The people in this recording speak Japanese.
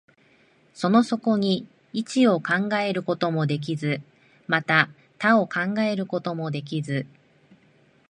その底に一を考えることもできず、また多を考えることもできず、